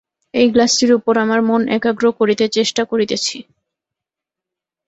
এই গ্লাসটির উপর আমার মন একাগ্র করিতে চেষ্টা করিতেছি।